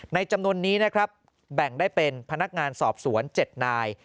จำนวนนี้นะครับแบ่งได้เป็นพนักงานสอบสวน๗นาย